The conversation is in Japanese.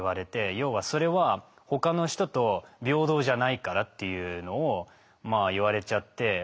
要はそれはほかの人と平等じゃないからっていうのをまあ言われちゃって。